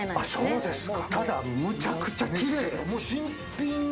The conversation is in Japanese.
ただ、むちゃくちゃキレイ。